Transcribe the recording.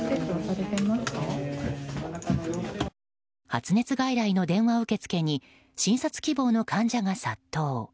発熱外来の電話受付に診察希望の患者が殺到。